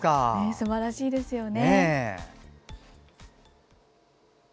すばらしいですよね。